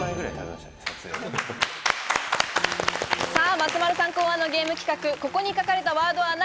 松丸さん考案のゲーム企画「ここに書かれたワードは何？」